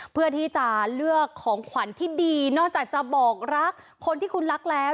เพื่อที่จะเลือกของขวัญที่ดีนอกจากจะบอกรักคนที่คุณรักแล้ว